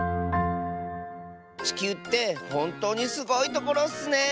ちきゅうってほんとうにすごいところッスね。